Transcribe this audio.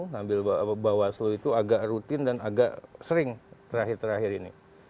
ngambil bawaslu itu agak rutin dan agak sering terakhir terakhir ini